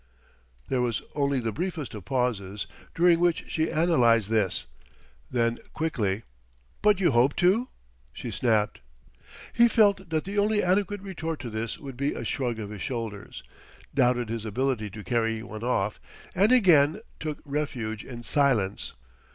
There was only the briefest of pauses, during which she analyzed this; then, quickly, "But you hope to?" she snapped. He felt that the only adequate retort to this would be a shrug of his shoulders; doubted his ability to carry one off; and again took refuge in silence.